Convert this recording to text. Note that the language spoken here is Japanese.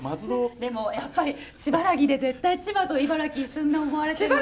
でもやっぱりちばらきで絶対千葉と茨城一緒に思われてるんだ。